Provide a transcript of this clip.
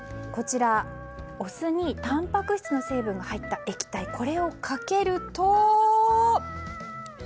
こちら、お酢にたんぱく質の成分が入った液体をかけると。